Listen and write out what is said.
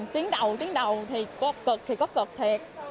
tiến đầu tiến đầu thì có cực thì có cực thiệt